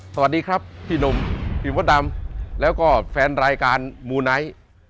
สวัสดีครับพี่หนุ่มพี่มดดำแล้วก็แฟนรายการมูไนท์